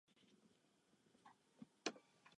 V čele tajné služby stojí jako u jiných agentur ředitel.